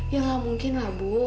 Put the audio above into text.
ya nggak mungkin lah bu